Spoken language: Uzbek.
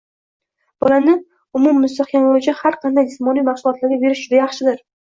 Bolani umummustahkamlovchi har qanday jismoniy mashg‘ulotlarga berish juda yaxshidir.